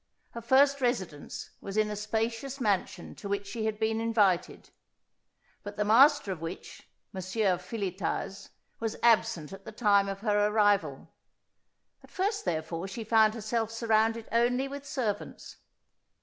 Her first residence was in a spacious mansion to which she had been invited, but the master of which (monsieur Fillietaz) was absent at the time of her arrival. At first therefore she found herself surrounded only with servants.